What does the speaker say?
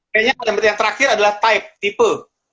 kayaknya yang terakhir adalah type